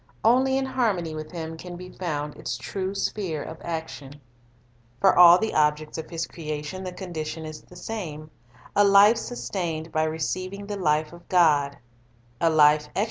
Only in harmony with Him can be found its true sphere of action. For all the objects of His creation the condition is the same, — a life sus tained by receiving the life of God, a life exercised (99 > LofC.